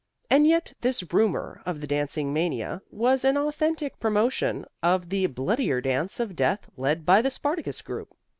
And yet this rumor of the dancing mania was an authentic premonition of the bloodier dance of death led by the Spartacus group.